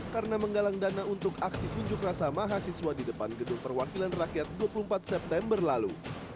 karena menggalang dana untuk aksi kunjuk rasa mahasiswa di depan gedung perwakilan rakyat dua puluh empat september lalu